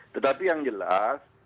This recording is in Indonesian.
tetapi yang jelas